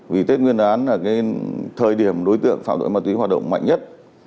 vì tết nguyên đán là cái thời điểm đối tượng phạm tội ma túy hoạt động mạnh nhất